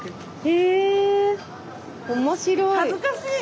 へぇ面白い。